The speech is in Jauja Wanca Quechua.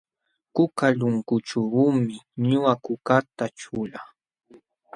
Kukalunkućhuumi ñuqa kukata ćhulaa.